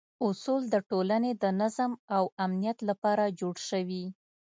اصول د ټولنې د نظم او امنیت لپاره جوړ شوي.